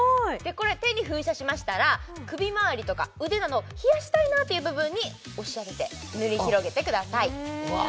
これ手に噴射しましたら首まわりとか腕など冷やしたいなという部分に押し当てて塗り広げてください